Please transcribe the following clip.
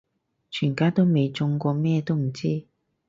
全家都未中過咩都唔知